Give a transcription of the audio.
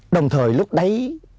đồng thời lúc đấy